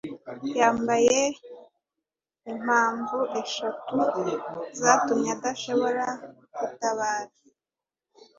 yampaye impamvu eshatu zatumye adashobora gutabara.